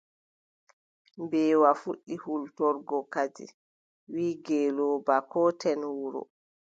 Mbeewa fuɗɗi hultorgo kadi, wiʼi ngeelooba: kooten wuro.